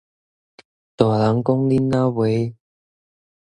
大人講囡仔話